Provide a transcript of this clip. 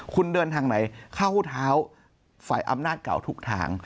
คุณเดินทางไหนเข้าเท้าฝ่ายอำนาจเก่าทุกทาง